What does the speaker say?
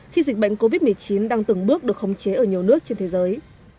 khi dịch bệnh covid một mươi chín đang từng bước được khống chế ở nhiều nước trên thế giới